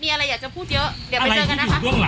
มีอะไรอยากจะพูดเยอะ